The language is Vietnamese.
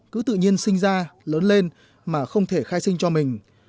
cứ tự nhiên sinh ra lớn lên mà không thể khai sinh cho mình